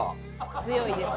強いですね。